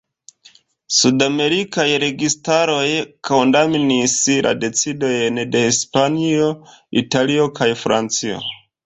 Sud-amerikaj registaroj kondamnis la decidojn de Hispanio, Italio kaj Francio.